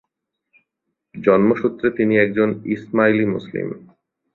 জন্মসূত্রে তিনি একজন ইসমাইলি মুসলিম।